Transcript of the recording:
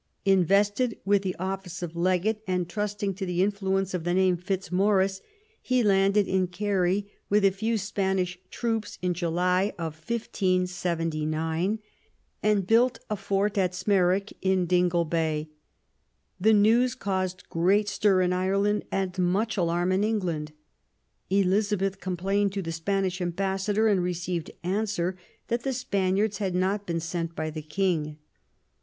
Invested with the office of legate, and trusting to the influence of igo QUEEN ELIZABETH. the name of Fitzmorris, he landed in Kerry with a few Spanish troops in July, 1579, and built a fort at Smerwick, on Dingle Bay. The news caused great stir in Ireland, and much alarm in England. Eliza beth complained to the Spanish ambassador, and received answer that the Spaniards had not been sent by the King.